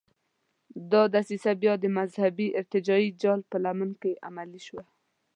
دغه دسیسه بیا د مذهبي ارتجاعي جال په لمن کې عملي شوه.